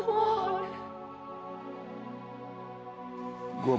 tapi kalau lo kanan untuk menyelamatkan aku